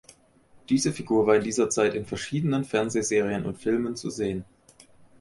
Diese Figur war in dieser Zeit in verschiedenen Fernsehserien und Filmen zu sehen.